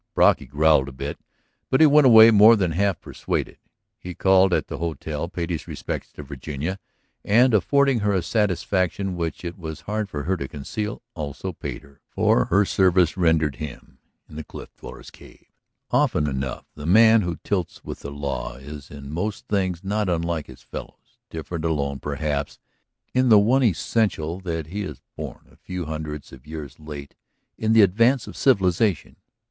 Brocky growled a bit, but went away more than half persuaded. He called at the hotel, paid his respects to Virginia, and affording her a satisfaction which it was hard for her to conceal, also paid her for her services rendered him in the cliff dweller's cave. Often enough the man who tilts with the law is in most things not unlike his fellows, different alone perhaps in the one essential that he is born a few hundreds of years late in the advance of civilization.